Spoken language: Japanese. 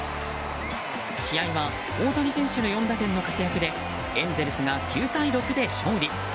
試合は大谷選手の４打点の活躍でエンゼルスが９対６で勝利。